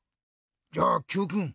じゃあＱくん